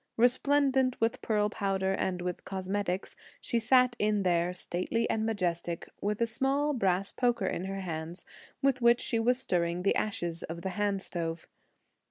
Resplendent with pearl powder and with cosmetics, she sat in there, stately and majestic, with a small brass poker in her hands, with which she was stirring the ashes of the hand stove.